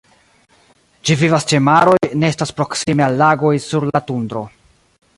Ĝi vivas ĉe maroj, nestas proksime al lagoj, sur la tundro.